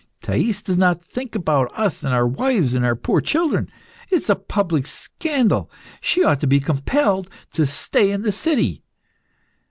Thais does not think about us and our wives and our poor children. It is a public scandal. She ought to be compelled to stay in the city."